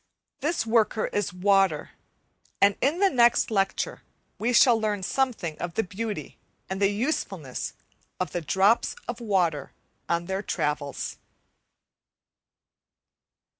This worker is water; and in the next lecture we shall learn something of the beauty and the usefulness of the "drops of water" on their travels.